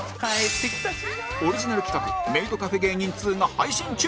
オリジナル企画メイドカフェ芸人２が配信中！